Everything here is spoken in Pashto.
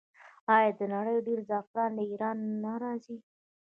آیا د نړۍ ډیری زعفران له ایران نه راځي؟